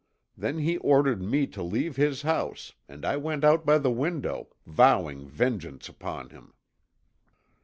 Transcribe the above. Then he ordered me to leave his house and I went out by the window, vowing vengeance upon him.